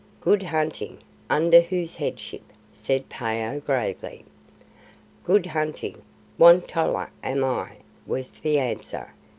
"Good hunting! Under whose Headship?" said Phao gravely. "Good hunting! Won tolla am I," was the answer.